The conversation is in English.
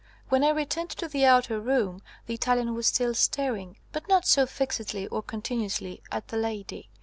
When I returned to the outer room, the Italian was still staring, but not so fixedly or continuously, at the lady.